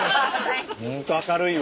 ホント明るいわ。